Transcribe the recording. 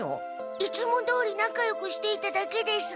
いつもどおり仲よくしていただけです。